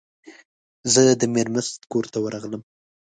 زه د میرمست کور ته ورغلم.